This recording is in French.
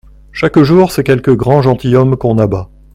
Chaque jour c’est quelque grand gentilhomme qu’on abat.